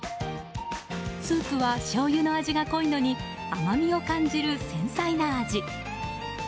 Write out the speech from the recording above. スープはしょうゆの味が濃いのに甘みを感じる繊細な味。